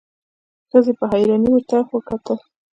ښځې په حيرانی ورته وکتل.